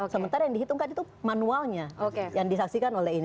sementara yang dihitungkan itu manualnya yang disaksikan oleh ini